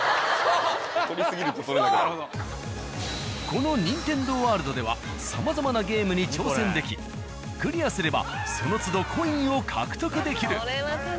このニンテンドー・ワールドではさまざまなゲームに挑戦できクリアすればそのつどコインを獲得できる。